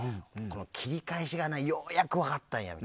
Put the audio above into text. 切り返しがようやく分かったんやって。